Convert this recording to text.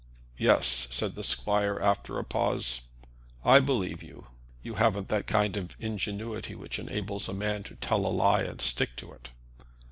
"Yes," said the squire, after a pause, "I believe you. You haven't that kind of ingenuity which enables a man to tell a lie and stick to it.